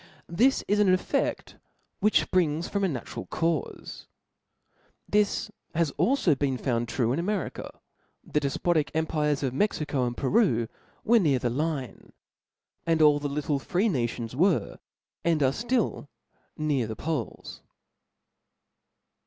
This is an effedk ^hkh fprings from a natural caufe, This has alio been found true in America ; the defpotic empires of Mexico and Peru were near the Line, and almoft all the little free nauoiis were^ and are ftiil, near the Poles.